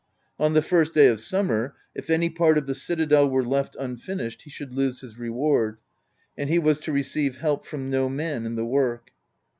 On the first day of summer, if any part of the citadel were left unfinished, he should lose his reward; and he was to receive help from no man in the work.